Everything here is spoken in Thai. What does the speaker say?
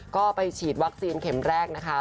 ก็ไปฉีดวัคซีนเข็มแรกนะคะ